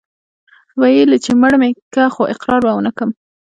ويل يې چې مړ مې که خو اقرار به ونه کم.